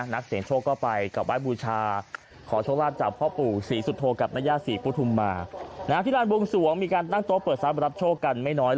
นี่ไหมให้โชคชาวบ้านเข้าไปดูกัน